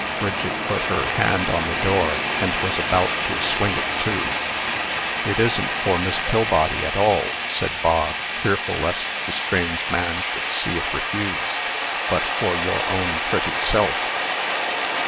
Bridget put her hand on the door, and was about to swing it to. "It isn't for Miss Pillbody at all," said Bog, fearful lest the strange man should see it refused, "but for your own pretty self."